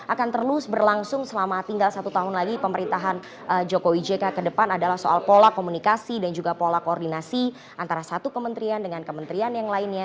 akan terus berlangsung selama tinggal satu tahun lagi pemerintahan jokowi jk ke depan adalah soal pola komunikasi dan juga pola koordinasi antara satu kementerian dengan kementerian yang lainnya